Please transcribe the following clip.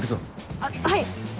あっはい。